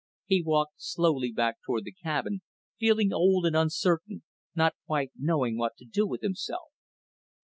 He walked slowly back toward the cabin, feeling old and uncertain, not quite knowing what to do with himself.